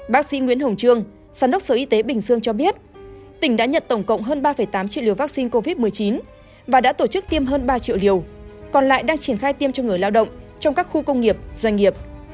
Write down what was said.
bác sĩ nguyễn hồng trương giám đốc sở y tế bình dương cho biết tỉnh đã nhận tổng cộng hơn ba tám triệu liều vaccine covid một mươi chín và đã tổ chức tiêm hơn ba triệu liều còn lại đang triển khai tiêm cho người lao động trong các khu công nghiệp doanh nghiệp